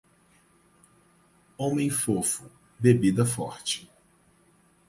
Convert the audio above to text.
Homem fofo, bebida forte